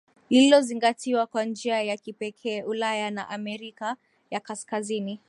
lililozingatiwa kwa njia ya kipekee Ulaya na Amerika ya Kaskazini